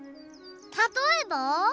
たとえば？